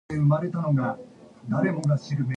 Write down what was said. Ecko stated that he was disappointed with this legal move.